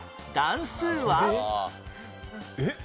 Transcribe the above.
えっ？